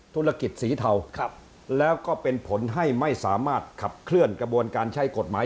ธุรกิจสีเทาแล้วก็เป็นผลให้ไม่สามารถขับเคลื่อนกระบวนการใช้กฎหมาย